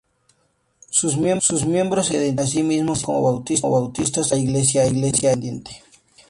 Sus miembros se identifican a sí mismos como bautistas, aunque esta Iglesia es independiente.